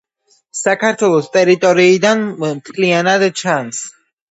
საქართველოს ტერიტორიიდან მთლიანად ჩანს.